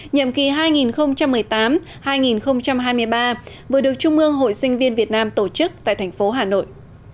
nhiệm kỳ hai nghìn một mươi tám hai nghìn hai mươi ba vừa được trung ương hội sinh viên việt nam tổ chức tại thành phố hà nội